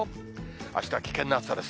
あしたは危険な暑さです。